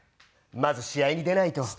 まず試合に出ないと。